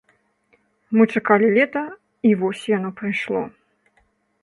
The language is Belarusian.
Мы чакалі лета і вось яно прыйшло.